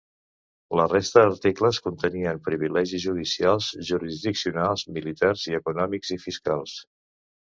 La resta d'articles contenien Privilegis judicials, jurisdiccionals, militars i econòmics i fiscals.